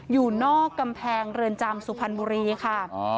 อยู่นอกกำแพงเรือนจำสุพรรณบุรีค่ะ